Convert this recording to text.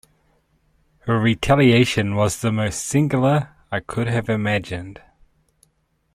Her retaliation was the most singular I could have imagined.